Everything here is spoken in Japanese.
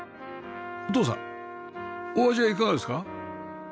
お父さんお味はいかがですか？